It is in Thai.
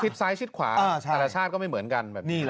คลิปซ้ายชิดขวาแต่ละชาติก็ไม่เหมือนกัน